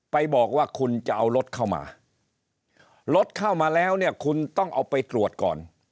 ไปบอกว่าคุณจะเอารถเข้ามารถเข้ามาแล้วเนี่ยคุณต้องเอาไปตรวจก่อน